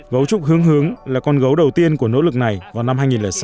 gấu trúc hướng là con gấu đầu tiên của nỗ lực này vào năm hai nghìn sáu